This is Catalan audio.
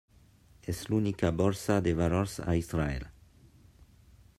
És l'única borsa de valors a Israel.